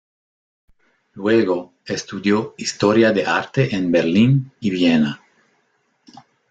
Luego, estudió historia de arte en Berlín y Viena.